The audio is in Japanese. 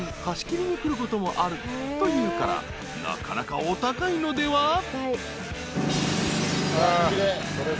貸し切りに来ることもあるというからなかなかお高いのでは？］